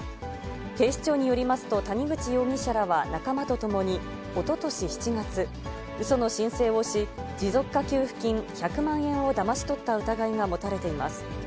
警視庁によりますと、谷口容疑者らは仲間と共におととし７月、うその申請をし、持続化給付金１００万円をだまし取った疑いが持たれています。